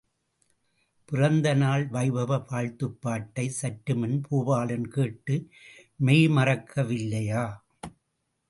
பிறந்த நாள் வைபவ வாழ்த்துப் பாட்டைச் சற்றுமுன் பூபாலன் கேட்டு மெய் மறக்கவில்லையா?